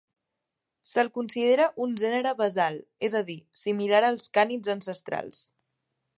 Se'l considera un gènere basal, és a dir, similar als cànids ancestrals.